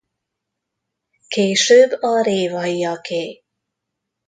Később a Révayaké.